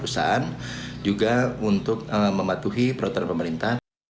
dan juga untuk mematuhi protokol pemerintahan